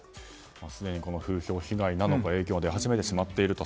すでに風評被害なのか影響が出始めてしまっていると。